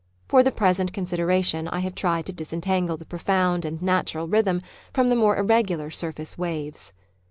For the present consideration I have tried to disentangle the profound and natural rhythm from the more irregular surface waves.